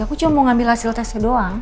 aku cuma mau ngambil hasil tesnya doang